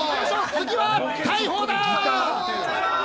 次は大鵬だ。